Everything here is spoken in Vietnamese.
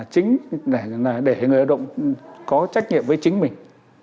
chính để người lao động có trách nhiệm với chính mình